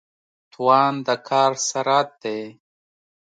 توان د کار سرعت دی.